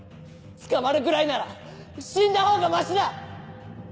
捕まるぐらいなら死んだほうがマシだ！